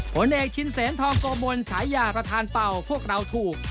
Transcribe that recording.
ผลเอกชินเสนทองโกมลฉายาประธานเป่าพวกเราถูก